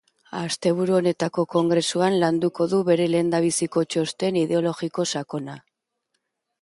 Asteburu honetako kongresuan landuko du bere lehendabiziko txosten ideologiko sakona.